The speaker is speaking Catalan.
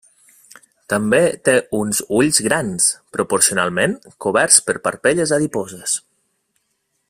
També té uns ulls grans, proporcionalment, coberts per parpelles adiposes.